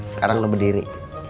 sekarang lo berdiri